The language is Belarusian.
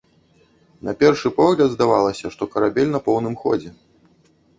На першы погляд здавалася, што карабель на поўным ходзе.